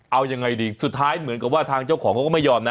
เอายังไงดีสุดท้ายเหมือนกับว่าทางเจ้าของเขาก็ไม่ยอมนะ